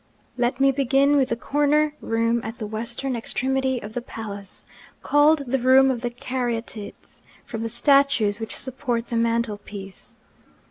Let me begin with the corner room at the western extremity of the palace, called the Room of the Caryatides, from the statues which support the mantel piece.